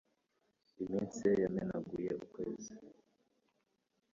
Imitsi ye yamenaguye ukwezi,